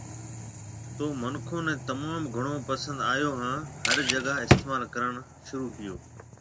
تو منکون ني تموم گھڻو پسند آيو ھان ھر جگا استعمال ڪرڻ شروع ڪيئو